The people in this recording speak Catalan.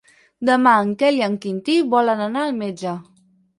Demà en Quel i en Quintí volen anar al metge.